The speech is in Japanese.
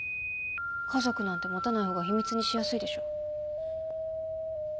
家族なんて持たない方が秘密にしやすいでしょ。